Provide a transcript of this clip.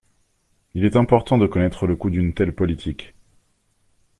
Il est important de connaître le coût d’une telle politique.